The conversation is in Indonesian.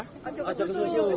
oh jawa susu